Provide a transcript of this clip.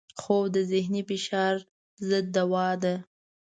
خوب د ذهني فشار ضد دوا ده